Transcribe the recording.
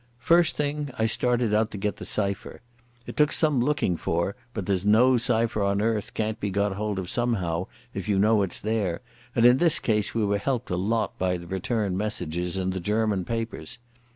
First thing, I started out to get the cipher. It took some looking for, but there's no cipher on earth can't be got hold of somehow if you know it's there, and in this case we were helped a lot by the return messages in the German papers.